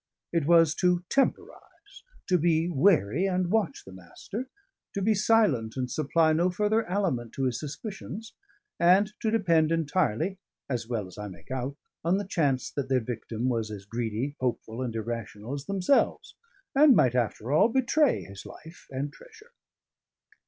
It was to temporise, to be wary and watch the Master, to be silent and supply no further aliment to his suspicions, and to depend entirely (as well as I make out) on the chance that their victim was as greedy, hopeful, and irrational as themselves, and might, after all, betray his life and treasure.